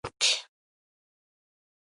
იგი იყო კვიპროსელი თურქი.